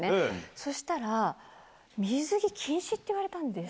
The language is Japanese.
そしたら、水着禁止って言われたんです。